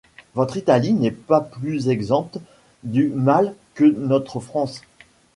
Votre Italie n’est pas plus exempte du mal que notre France.